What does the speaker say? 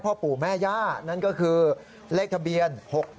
พ่อปู่แม่ย่านั่นก็คือเลขทะเบียน๖๗